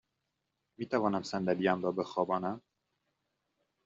می توانم صندلی ام را بخوابانم؟